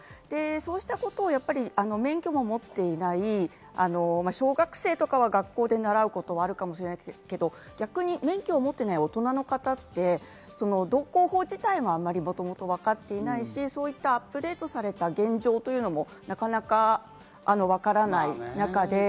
そうしたことを免許も持っていない小学生とかは学校で習うことはあるかもしれないけど、逆に免許を持っていない大人の方って道交法自体ももともとわかっていないし、アップデートされた現状というのもなかなかわからない中で。